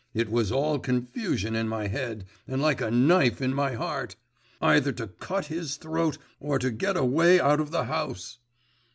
It was all confusion in my head, and like a knife in my heart.… Either to cut his throat or get away out of the house!